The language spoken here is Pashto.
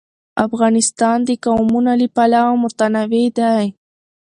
افغانستان د قومونه له پلوه متنوع دی.